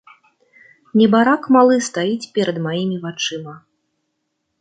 Небарак малы стаіць перад маімі вачыма.